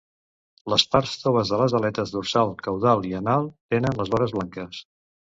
Les parts toves de les aletes dorsal, caudal i anal tenen les vores blanques.